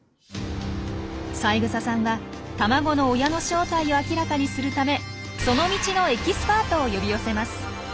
三枝さんは卵の親の正体を明らかにするためその道のエキスパートを呼び寄せます。